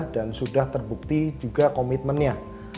dan sudah terbukti juga komitmennya